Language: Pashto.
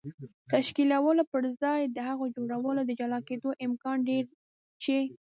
تشکیلولو پر ځای د هغو جوړو د جلا کېدو امکان ډېر دی چې